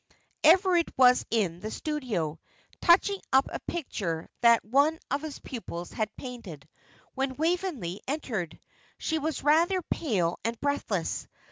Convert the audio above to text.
Everard was in the studio, touching up a picture that one of his pupils had painted, when Waveney entered. She was rather pale and breathless.